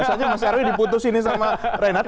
biasanya mas harwi diputusin ini sama reinhardt